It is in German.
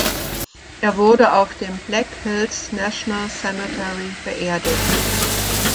Er wurde auf dem Black Hills National Cemetery beerdigt.